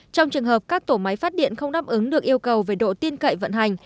trong trường hợp các tổ máy phát điện không đáp ứng được yêu cầu về độ tin cậy vận hành